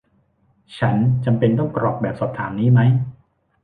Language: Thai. ฉันจำเป็นต้องกรอกแบบสอบถามนี้มั้ย